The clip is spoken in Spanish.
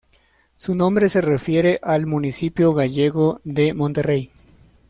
Su nombre se refiere al municipio gallego de Monterrey.